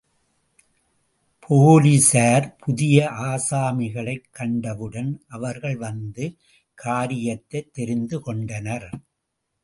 போலிசார் புதிய ஆசாமிகளைக் கண்டவுடன் அவர்கள் வந்த காரியத்தைத் தெரிந்து கொண்டனர்.